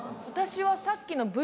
私はさっきの。